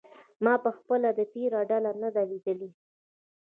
ما پخپله د تیراه ډله نه ده لیدلې.